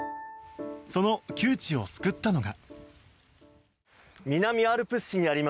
その窮地を救ったのが。